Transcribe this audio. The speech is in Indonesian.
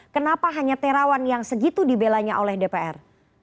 kenapa hanya terawan yang segitu dibelanya oleh dpr